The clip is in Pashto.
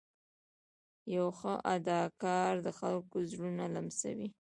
یو ښه اداکار د خلکو زړونه لمسوي.